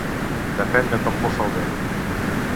Depèn de com bufa el vent.